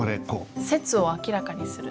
「説を明らかにする」。